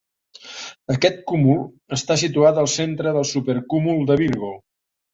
Aquest cúmul està situat al centre del supercúmul de Virgo.